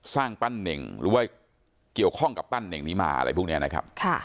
สร้างปั้นเน่งหรือว่าเกี่ยวข้องกับปั้นเน่งนี้มาอะไรพวกนี้นะครับ